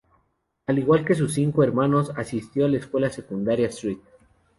Al igual que sus cinco hermanos asistió a la escuela secundaria St.